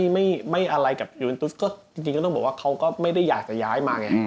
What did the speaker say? ไม่อะไรกับยูเอ็นตุสก็จริงก็ต้องบอกว่าเขาก็ไม่ได้อยากจะย้ายมาไง